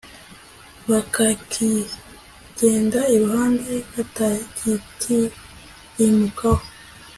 bakakigenda iruhande, batagitirimukaho